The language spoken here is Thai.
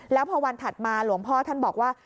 แล้วพอวันถัดมาหลวงพ่อท่านบอกว่า